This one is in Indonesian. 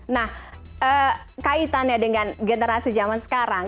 nah kaitannya dengan generasi zaman sekarang